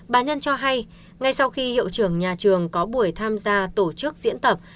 bà nhân cho hay ngay sau khi hiệu trưởng nhà trường có buổi tham gia tổ chức diễn tập